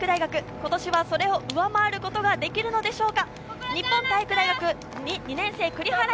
今年はそれを上回ることができるでしょうか。